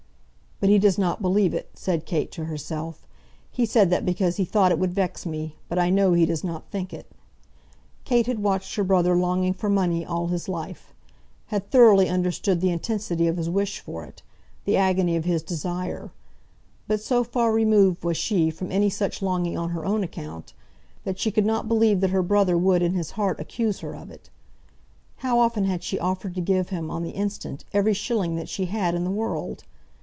"But he does not believe it," said Kate to herself. "He said that because he thought it would vex me; but I know he does not think it." Kate had watched her brother longing for money all his life, had thoroughly understood the intensity of his wish for it, the agony of his desire. But so far removed was she from any such longing on her own account, that she could not believe that her brother would in his heart accuse her of it. How often had she offered to give him, on the instant, every shilling that she had in the world!